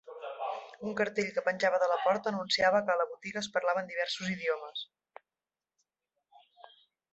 Un cartell que penjava de la porta anunciava que a la botiga es parlaven diversos idiomes.